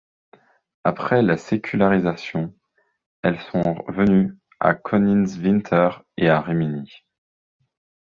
Après la sécularisation, elles sont venues à Königswinter et à Rimini.